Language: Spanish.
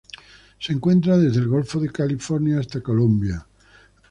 Se encuentra desde el Golfo de California hasta Colombia.